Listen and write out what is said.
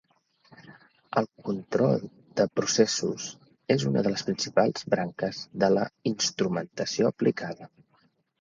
El control de processos és una de les principals branques de la instrumentació aplicada.